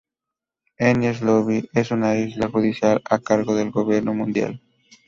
Enies Lobby es una isla judicial al cargo del Gobierno Mundial.